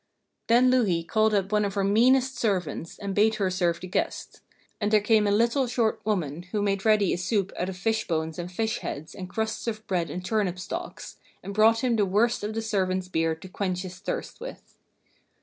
Then Louhi called up one of her meanest servants and bade her serve the guest. And there came a little short woman, who made ready a soup out of fish bones and fish heads and crusts of bread and turnip stalks, and brought him the worst of the servants' beer to quench his thirst with.